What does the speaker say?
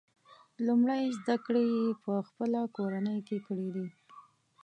لومړۍ زده کړې یې په خپله کورنۍ کې کړي دي.